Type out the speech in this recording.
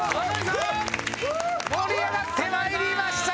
盛り上がって参りました！